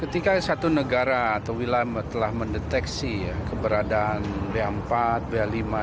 ketika satu negara atau wilayah telah mendeteksi keberadaan ba empat ba lima